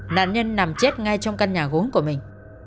nạn nhân nằm chết ngay trong căn nhà gốm của mình